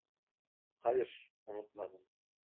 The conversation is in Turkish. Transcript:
Hayır, unutmadım.